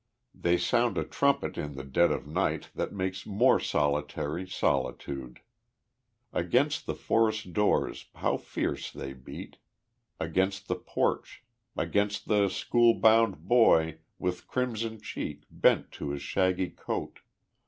They sound a trumpet in the dead of night That makes more solitary solitude. Against the forest doors how fierce they beat! Against the porch, against the school bound boy With crimson cheek bent to his shaggy coat.